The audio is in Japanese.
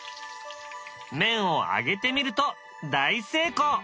麺を揚げてみると大成功。